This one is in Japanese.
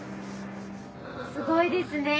すごいですね